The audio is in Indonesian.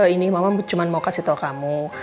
ini mama cuma mau kasih tahu kamu